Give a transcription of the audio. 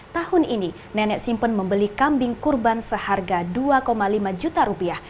tahun ini nenek simpen membeli kambing kurban seharga dua lima juta rupiah